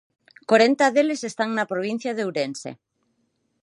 Corenta deles están na provincia de Ourense.